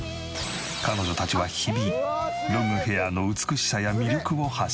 彼女たちは日々ロングヘアの美しさや魅力を発信。